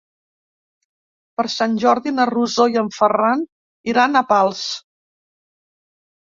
Per Sant Jordi na Rosó i en Ferran iran a Pals.